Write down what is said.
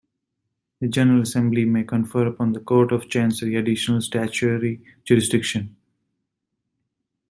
The General Assembly may confer upon the Court of Chancery additional statutory jurisdiction.